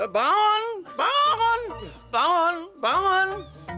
bangun bangun bangun bangun